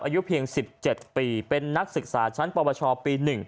อายุเพียง๑๗ปีเป็นนักศึกษาชั้นปวชปี๑